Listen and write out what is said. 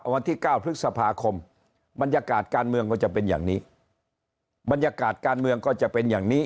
วันที่๙พฤษภาคมบรรยากาศการเมืองก็จะเป็นอย่างนี้บรรยากาศการเมืองก็จะเป็นอย่างนี้